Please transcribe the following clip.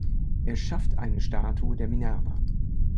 Er schafft eine Statue der Minerva.